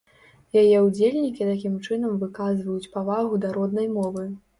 Яе ўдзельнікі такім чынам выказваюць павагу да роднай мовы.